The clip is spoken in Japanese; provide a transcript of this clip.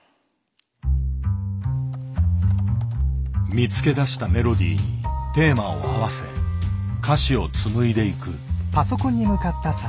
見つけ出したメロディーにテーマを合わせ歌詞を紡いでいく。